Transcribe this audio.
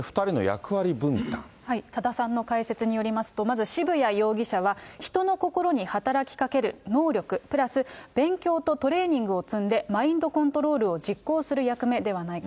多田さんの解説によりますと、まず渋谷容疑者は、人の心に働きかける能力プラス勉強とトレーニングを積んでマインドコントロールを実行する役目ではないか。